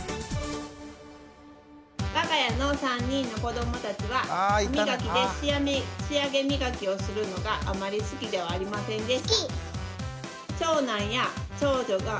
わが家の３人の子どもたちは歯磨きで仕上げ磨きをするのがあまり好きではありませんでした。